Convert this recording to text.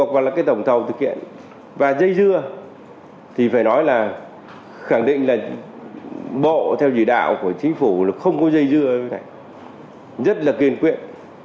bộ theo dự đạo của chính phủ không có dây dưa rất kiên quyết